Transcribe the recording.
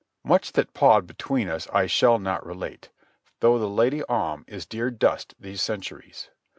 Much that passed between us I shall not relate, though the Lady Om is dear dust these centuries.